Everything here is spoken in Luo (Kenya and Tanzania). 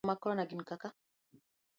Chal moko mag korona gin kaka;